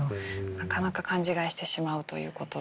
なかなか勘違いしてしまうということで。